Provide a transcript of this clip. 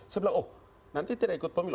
sebelah oh nanti tidak ikut pemilu